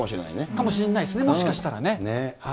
かもしれないですね、もしかしたらね。